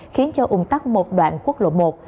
khiến cho ủng tắc một đoạn quốc lộ một